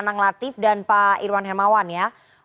pak anang latif dan pak irwan himawan ya